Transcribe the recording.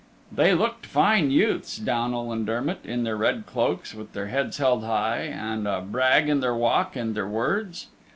They looked fine youths, Downal and Dermott, in their red cloaks, with their heads held high, and a brag in their walk and their words.